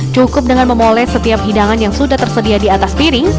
cukup dengan memoles setiap hidangan yang sudah tersedia di atas piring